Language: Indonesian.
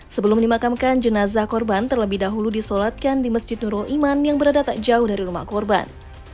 sebelum dimakamkan jenazah korban terlebih dahulu disolatkan di masjid nurul iman yang berada tak jauh dari rumah korban